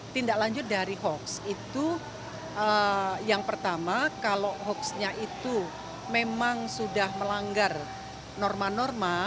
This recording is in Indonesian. tindak lanjut dari hoax itu yang pertama kalau hoaxnya itu memang sudah melanggar norma norma